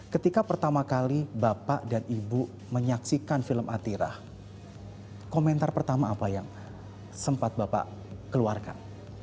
ketika pertama kali bapak dan ibu menyaksikan film atirah komentar pertama apa yang sempat bapak keluarkan